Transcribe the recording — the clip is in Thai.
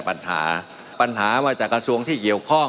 มันมีมาต่อเนื่องมีเหตุการณ์ที่ไม่เคยเกิดขึ้น